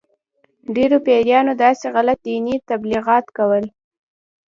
ډېرو پیرانو داسې غلط دیني تبلیغات کول.